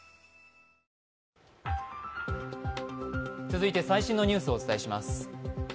続いて最新のニュースをお伝えします。